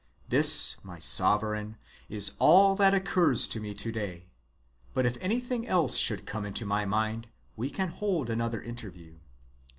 This, my sovereign, is all that occurs to me to day; but if anything else should come into my mind, we can hold another interview.